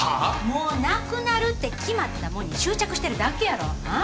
もうなくなるって決まったもんに執着してるだけやろあっ？